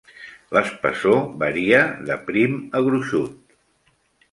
L"espessor varia, de prim a gruixut.